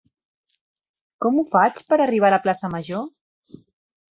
Com ho faig per arribar a la plaça Major?